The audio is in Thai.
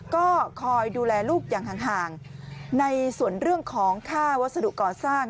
ก็คอยดูแลลูกอย่างห่างในส่วนเรื่องของค่าวัสดุก่อสร้าง